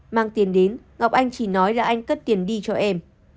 mang tiền đến ngọc anh chỉ nói là anh cất tiền đi cho em